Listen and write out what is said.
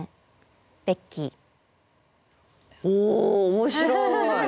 面白い。